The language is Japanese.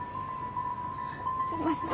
すいません。